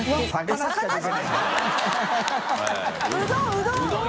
うどんうどん！